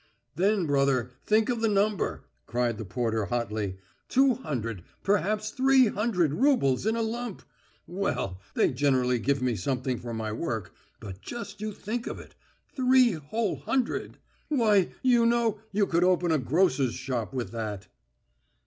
"Then, brother, think of the number," cried the porter hotly. "Two hundred, perhaps three hundred roubles in a lump! Well, they generally give me something for my work ... but just you think of it. Three whole hundred! Why, you know, you could open a grocer's shop with that...."